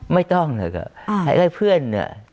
ไม่ต้องเลยครับให้เพื่อนเนี่ย